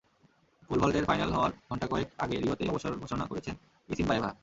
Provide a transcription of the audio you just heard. Pole ভল্টের final হওয়ার ঘণ্টা কয়েক আগে রিওতেই অবসর ঘোষণা করেছেন ইসিনবায়েভা।